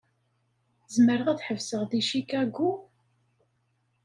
Zemreɣ ad ḥebseɣ deg Chicago?